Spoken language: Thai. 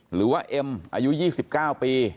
หรือว่าเอ็มอายุ๒๙ปี